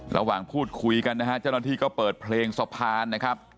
ระหว่างพูดคุยกันนะฮะเจ้าหน้าที่ก็เปิดเพลงสะพานนะครับ